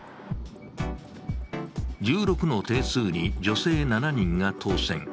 １６の定数に女性７人が当選。